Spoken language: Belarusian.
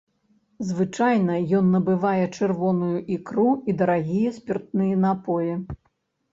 Звычайна ён набывае чырвоную ікру і дарагія спіртныя напоі.